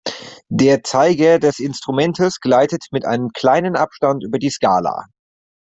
Der Zeiger des Instrumentes gleitet mit einem kleinen Abstand über die Skala.